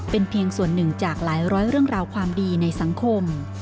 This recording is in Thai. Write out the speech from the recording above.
เป็นเพียงส่วนหนึ่งจากหลายร้อยเรื่องราวความดีในสังคม